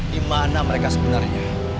di mana mereka sebenarnya